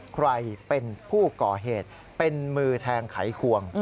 ใครเป็นผู้ก่อเหตุเป็นมือแทงไขควง